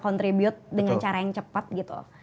contribusi dengan cara yang cepet gitu